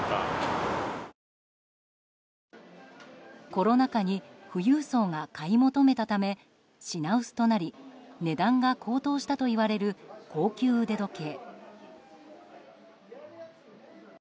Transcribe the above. コロナ禍に富裕層が買い求めたため、品薄となり値段が高騰したといわれる高級腕時計。